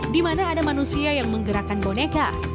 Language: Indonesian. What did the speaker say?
di mana ada manusia yang menggerakkan boneka